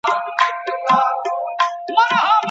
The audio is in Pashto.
آیا د انځرو ساتنه په ژمي کي سخته وي؟.